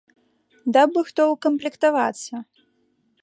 Даў бы хто ўкамплектавацца!